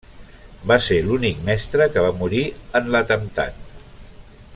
Va ser l'únic mestre que va morir en l'atemptat.